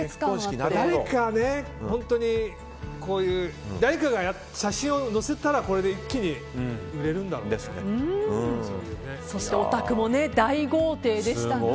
誰かね、本当に誰かが写真を載せたらこれで一気にそしてお宅も大豪邸でしたが。